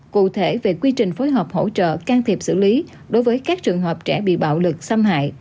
cụ thể về quy trình phối hợp hỗ trợ can thiệp xử lý đối với các trường hợp trẻ bị bạo lực xâm hại